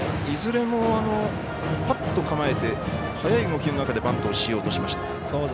いずれもぱっと構えて速い動きの中でバントをしようとしました。